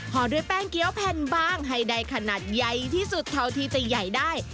ห่อด้วยแป้งเกี้ยวแผ่นบางให้ได้ขนาดใหญ่ที่สุดเท่าที่จะใหญ่ได้